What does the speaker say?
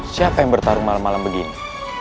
siapa yang bertarung malam malam begini